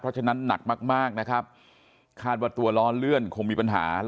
เพราะฉะนั้นหนักมากนะครับคาดว่าตัวล้อเลื่อนคงมีปัญหา